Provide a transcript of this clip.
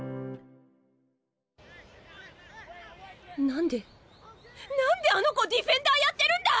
何で何であの子ディフェンダーやってるんだ！？